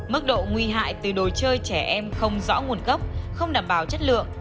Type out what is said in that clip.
mức độ nguy hại từ đồ chơi trẻ em không rõ nguồn gốc không đảm bảo chất lượng